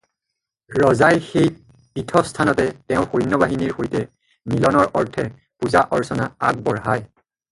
ৰজাই সেই পীঠস্থানতে তেওঁৰ সৈন্য বাহিনীৰ সৈতে মিলনৰ অৰ্থে পূজা অৰ্চনা আগবঢ়ায়।